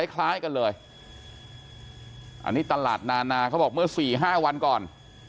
คล้ายกันเลยอันนี้ตลาดนานาเขาบอกเมื่อ๔๕วันก่อน